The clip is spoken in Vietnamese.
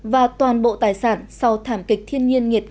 và toàn bộ tài sản sau thảm kịch thiên nhiên nghiệt